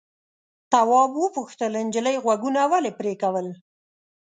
تواب وپوښتل نجلۍ غوږونه ولې پرې کول.